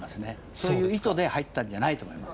そういう意図で入ったんじゃないかと思います。